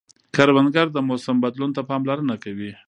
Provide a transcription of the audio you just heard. کروندګر د موسم بدلون ته پاملرنه کوي